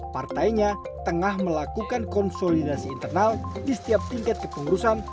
partainya tengah melakukan konsolidasi internal di setiap tingkat kepengurusan